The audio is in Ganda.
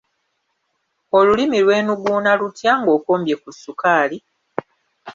Olulimi lwenuguuna lutya ng'okombye ku sukaali?